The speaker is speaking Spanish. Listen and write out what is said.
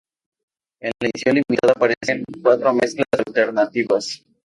En la edición limitada aparecen cuatro mezclas alternativas.